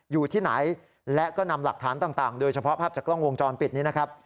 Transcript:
อยู่ที่ไหนและก็นำหลักฐานต่างโดยเฉพาะภาพจากกล้องวงจรปิดนี้นะครับ